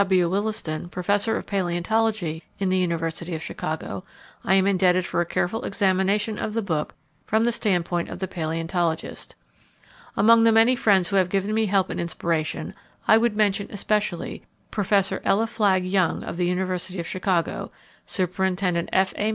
W. Williston, professor of paleontology in the University of Chicago, I am indebted for a careful examination of the book from the standpoint of the paleontologist. Among the many friends who have given me help and inspiration, I would mention especially, Professor Ella Flagg Young, of the University of Chicago; Superintendent F. A.